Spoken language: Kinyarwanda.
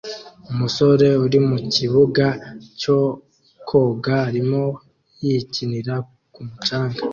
Umusore uri mukibuga cyo koga arimo yikinira ku mucanga